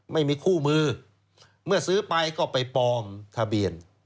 ไม่มีคู่มือเมื่อซื้อไปก็ไปปลอมทะเบียน